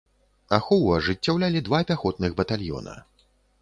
Ахову ажыццяўлялі два пяхотных батальёна.